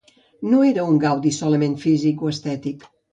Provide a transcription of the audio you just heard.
No era un gaudi solament físic o estètic.